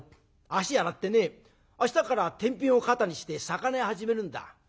足洗ってね明日からてんびんを肩にして魚屋始めるんだ。